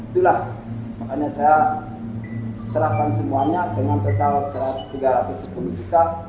itulah makanya saya serahkan semuanya dengan total tiga ratus sepuluh juta